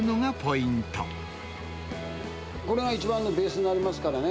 これが一番のベースになりますからね。